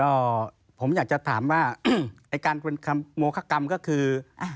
ก็ผมอยากจะถามว่าไอ้การเป็นคำโมคกรรมก็คือ